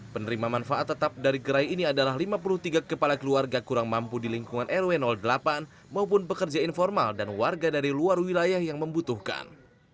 penerima manfaat tetap dari gerai ini adalah lima puluh tiga kepala keluarga kurang mampu di lingkungan rw delapan maupun pekerja informal dan warga dari luar wilayah yang membutuhkan